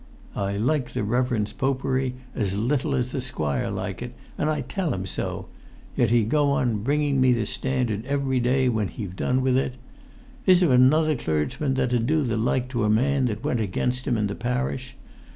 I like the reverend's Popery as little as the squire like it, and I tell him so, yet he go on bringing me the Standard every day when he've done with it. Is there another clergyman that'd do the like to a man that went against him in the parish?